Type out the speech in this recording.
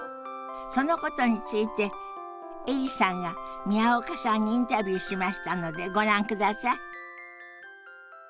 そのことについてエリさんが宮岡さんにインタビューしましたのでご覧ください。